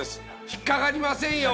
引っ掛かりませんよ